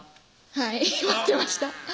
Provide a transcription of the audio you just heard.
はい待ってました